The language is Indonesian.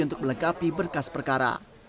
untuk melengkapi berkas perkara